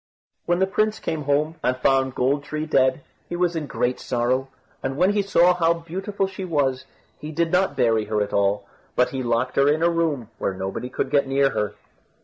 When the prince came home, and found Gold tree dead, he was in great sorrow, and when he saw how beautiful she was, he did not bury her at all, but he locked her in a room where nobody would get near her.